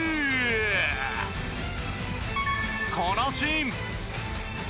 このシーン。